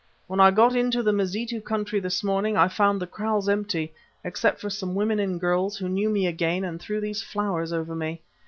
When I got into the Mazitu country this morning I found the kraals empty, except for some women and girls, who knew me again, and threw these flowers over me.